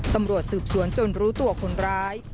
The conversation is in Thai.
ตำรวจสืบสวนจนรู้ตัวคนร้าย